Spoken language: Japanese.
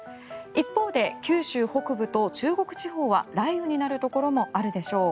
一方で九州北部と中国地方は雷雨になるところもあるでしょう。